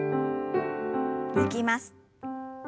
抜きます。